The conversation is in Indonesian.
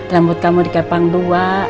rambut kamu dikepang dua